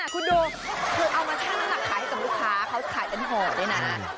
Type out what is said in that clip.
คุณดูเอามาช่างแล้วหลักขายกับลูกค้าเขาขายเป็นห่อด้วยนะ